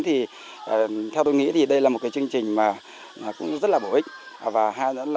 theo tôi nghĩ đây là một cái chương trình cũng rất là bổ ích